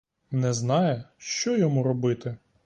Не знає, що йому робити.